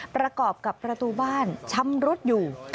ประกอบกับประตูบ้านชำรุดอยู่